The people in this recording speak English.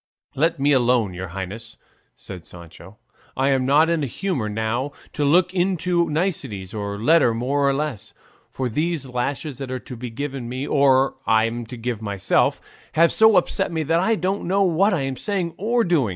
"Let me alone, your highness," said Sancho. "I'm not in a humour now to look into niceties or a letter more or less, for these lashes that are to be given me, or I'm to give myself, have so upset me, that I don't know what I'm saying or doing.